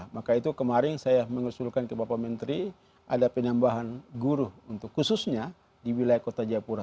maka itu kemarin saya mengusulkan ke bapak menteri ada penambahan guru untuk khususnya di wilayah kota jayapura